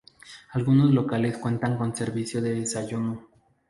Algunos locales cuentan con servicio de desayuno.